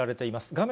画面